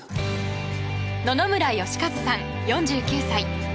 野々村芳和さん、４９歳。